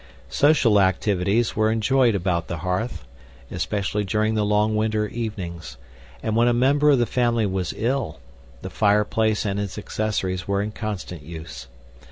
Social activities were enjoyed about the hearth, especially during the long winter evenings; and when a member of the family was ill, the fireplace and its accessories were in constant use.